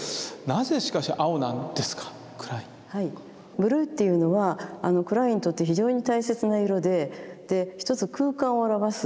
ブルーっていうのはクラインにとって非常に大切な色でで一つ空間を表す。